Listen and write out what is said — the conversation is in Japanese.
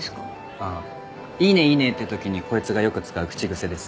ああ「いいねいいね」って時にこいつがよく使う口癖です。